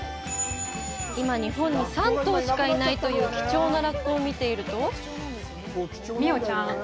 今、日本に３頭しかいないという人気のラッコを見ていると美桜ちゃん。